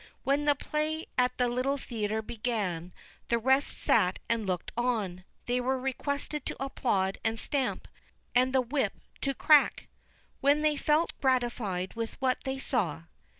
When the play at the little theater began, the rest sat and looked on; they were requested to applaud and stamp, and the whip to crack, when they felt gratified with what they saw.